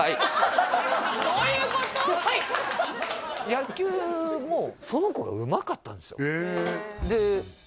野球もその子がうまかったんですよ